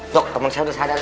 dok teman saya udah sadar